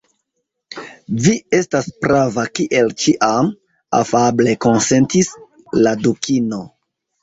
"Vi estas prava, kiel ĉiam," afable konsentis la Dukino.